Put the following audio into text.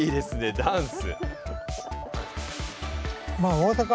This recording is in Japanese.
ダンス。